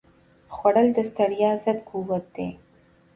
خوړل د ستړیا ضد قوت دی